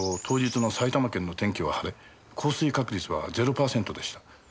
当日の埼玉県の天気は晴れ降水確率は０パーセントでした。